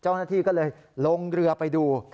เจ้าหน้าที่ก็เลยลงเรือไปดู